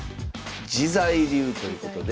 「自在流」ということで。